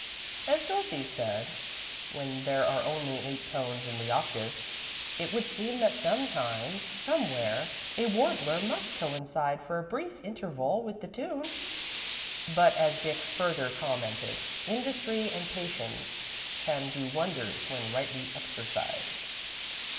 As Dorothy said, when there are only eight tones in the octave, it would seem that sometime, somewhere, a warbler must coincide for a brief interval with the tune, but as Dick further commented, industry and patience can do wonders when rightly exercised.